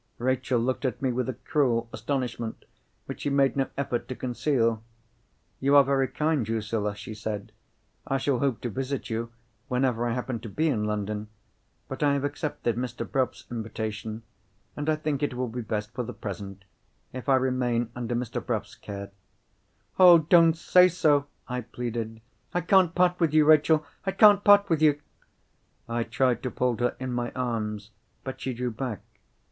Rachel looked at me with a cruel astonishment which she made no effort to conceal. "You are very kind, Drusilla," she said. "I shall hope to visit you whenever I happen to be in London. But I have accepted Mr. Bruff's invitation, and I think it will be best, for the present, if I remain under Mr. Bruff's care." "Oh, don't say so!" I pleaded. "I can't part with you, Rachel—I can't part with you!" I tried to fold her in my arms. But she drew back.